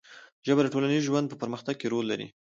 ژبه د ټولنیز ژوند په پرمختګ کې رول لري